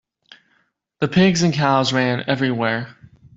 The pigs and cows ran everywhere.